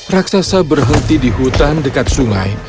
raksasa berhenti di hutan dekat sungai